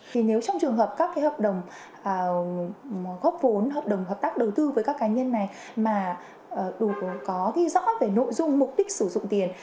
thì nếu trong trường hợp các cái hợp đồng góp vốn hợp đồng hợp tác đầu tư với các cá nhân này mà có ghi rõ về nội dung mục đích sử dụng tiền